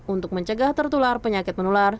untuk mencegah tertular penyakit menular